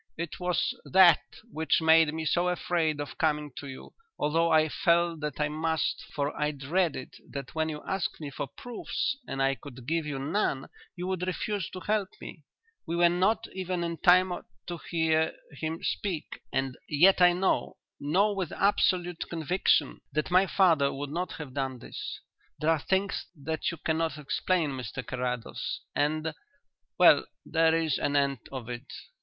"It was that which made me so afraid of coming to you, although I felt that I must, for I dreaded that when you asked me for proofs and I could give you none you would refuse to help me. We were not even in time to hear him speak, and yet I know, know with absolute conviction, that my father would not have done this. There are things that you cannot explain, Mr Carrados, and well, there is an end of it."